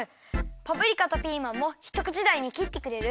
パプリカとピーマンもひとくちだいにきってくれる？